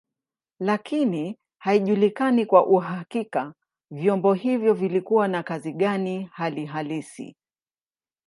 Lakini haijulikani kwa uhakika vyombo hivyo vilikuwa na kazi gani hali halisi.